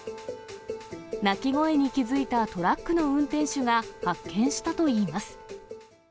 鳴き声に気付いたトラックの運転手が発見したといいます。